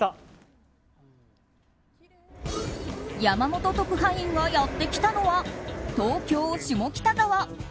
山本特派員がやってきたのは東京・下北沢。